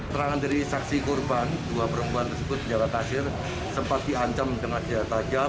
terangan dari saksi korban dua perempuan tersebut senjata tasir sempat diancam dengan senjata tajam